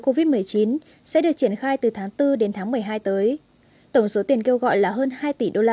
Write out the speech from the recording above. covid một mươi chín sẽ được triển khai từ tháng bốn đến tháng một mươi hai tới tổng số tiền kêu gọi là hơn hai tỷ usd